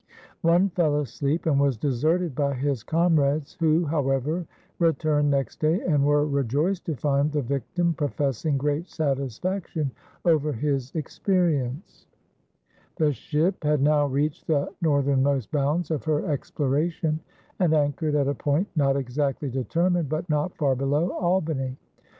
One fell asleep and was deserted by his comrades, who, however, returned next day and were rejoiced to find the victim professing great satisfaction over his experience. [Illustration: The Hudson River Region, 1609 1770] The ship had now reached the northernmost bounds of her exploration and anchored at a point not exactly determined but not far below Albany.